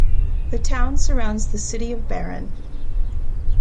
The town surrounds the City of Barron.